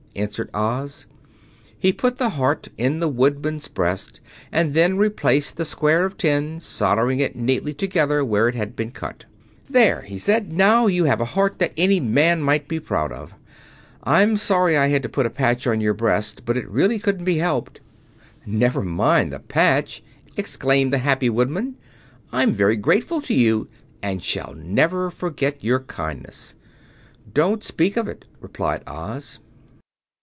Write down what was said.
answered Oz. He put the heart in the Woodman's breast and then replaced the square of tin, soldering it neatly together where it had been cut. "There," said he; "now you have a heart that any man might be proud of. I'm sorry I had to put a patch on your breast, but it really couldn't be helped." "Never mind the patch," exclaimed the happy Woodman. "I am very grateful to you, and shall never forget your kindness." "Don't speak of it," replied Oz.